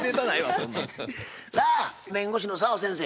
そんなん。さあ弁護士の澤先生